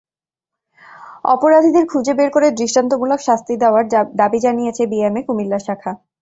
অপরাধীদের খুঁজে বের করে দৃষ্টান্তমূলক শাস্তি দেওয়ার দাবি জানিয়েছে বিএমএ কুমিল্লা শাখা।